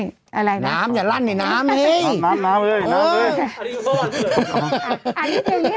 น้ำอย่าลั่นเห่ยน้ำเห่ย